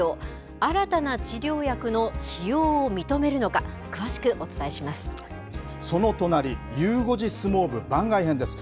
新たな治療薬の使用を認めるのか、その隣、ゆう５時相撲部番外編です。